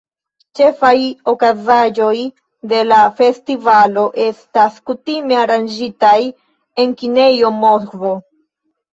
Ĉefaj okazaĵoj de la festivalo estas kutime aranĝitaj en kinejo Moskvo.